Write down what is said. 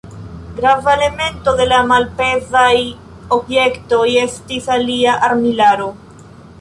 Grava elemento de la malpezaj objektoj estis ilia armilaro.